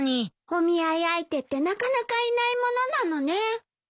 お見合い相手ってなかなかいないものなのね。